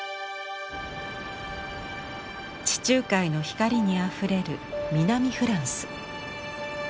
地中海の光にあふれる南フランス。